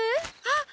あっ！